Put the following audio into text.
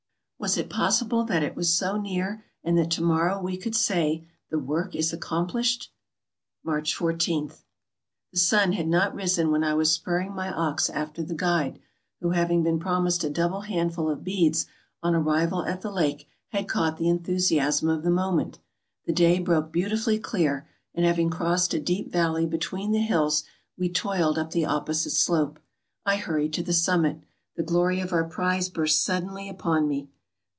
Was it possible that it was so near, and that to morrow we could say, The work is accomplished ? 380 AFRICA 381 March 14.. — The sun had not risen when I was spurring my ox after the guide, who, having been promised a double handful of beads on arrival at the lake, had caught the en thusiasm of the moment. The day broke beautifully clear, and having crossed a deep valley between the hills, we toiled up the opposite slope. I hurried to the summit. The glory of our prize burst suddenly upon me